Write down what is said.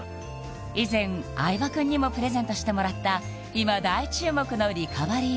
以前相葉くんにもプレゼントしてもらった今大注目のリカバリー